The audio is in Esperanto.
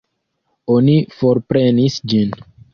Oni forprenis ĝin.